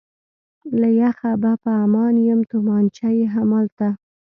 له یخه به په امان یم، تومانچه یې همالته.